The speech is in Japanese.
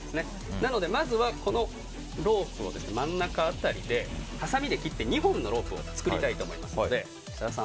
なのでまずはこのロープを真ん中辺りではさみで切って、２本のロープを作りたいと思いますので設楽さん